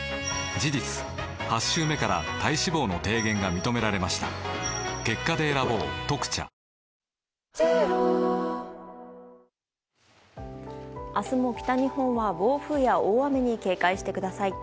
事実「特茶」明日も北日本は暴風や大雨に警戒してください。